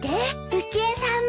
浮江さんも。